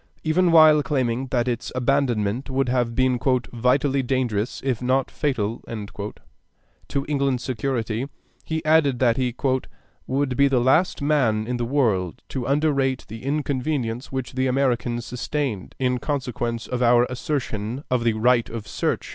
Even while claiming that its abandonment would have been "vitally dangerous if not fatal" to England's security, he added that he "would be the last man in the world to underrate the inconvenience which the Americans sustained in consequence of our assertion of the right of search."